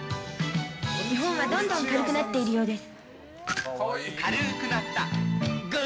日本はどんどん軽くなっているようです。